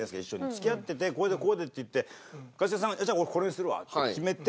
付き合っててこれでこうでっていって一茂さんがじゃあ俺これにするわって決めて。